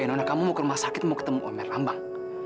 eh nona kamu mau ke rumah sakit mau ketemu omer lambang